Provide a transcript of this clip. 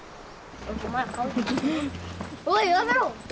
おいやめろ！